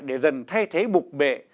để dần thay thế bục bệ